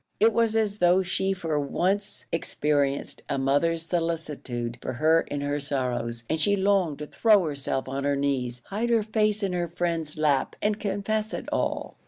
It was as though she for once experienced a mother's solicitude for her in her sorrows, and she longed to throw herself on her knees, hide her face in her friend's lap, and confess it all.